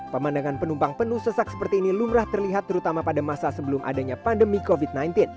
pemandangan penumpang penuh sesak seperti ini lumrah terlihat terutama pada masa sebelum adanya pandemi covid sembilan belas